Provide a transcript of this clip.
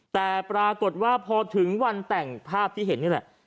แต่ปรากฏว่าพอถึงวันแต่งภาพที่เห็นนี่แหละ